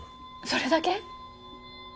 それだけ？